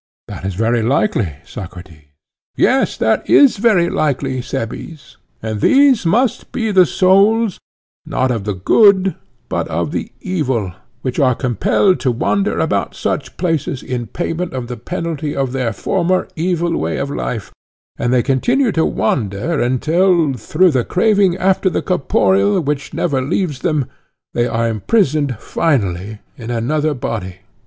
That is very likely, Socrates. Yes, that is very likely, Cebes; and these must be the souls, not of the good, but of the evil, which are compelled to wander about such places in payment of the penalty of their former evil way of life; and they continue to wander until through the craving after the corporeal which never leaves them, they are imprisoned finally in another body.